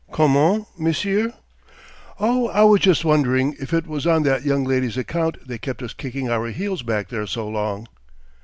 "Comment, monsieur?" "Oh, I was just wondering if it was on that young lady's account they kept us kicking our heels back there so long."